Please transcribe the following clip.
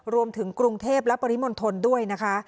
รวมถึงกรุงเทพและปริมณฑลด้วยนะคะ